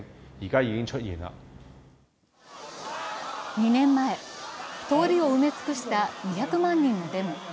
２年前、通りを埋め尽くした２００万人のデモ。